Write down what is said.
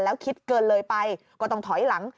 แล้วคิดเกินเลยไปก็ต้องถอยหลัง